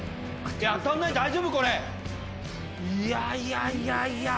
いやいや。